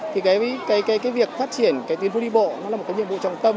thì cái việc phát triển tuyến phố đi bộ là một nhiệm vụ trọng tâm